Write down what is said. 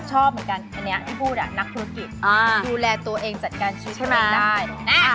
ชอบเหมือนกันอันนี้ที่พูดนักธุรกิจดูแลตัวเองจัดการชีวิตให้มันได้